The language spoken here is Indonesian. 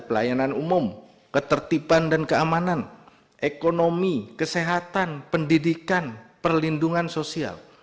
pelayanan umum ketertiban dan keamanan ekonomi kesehatan pendidikan perlindungan sosial